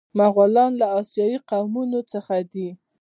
مغولان له اسیایي قومونو څخه دي.